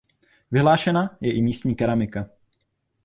Vyhlášená je i místní keramika.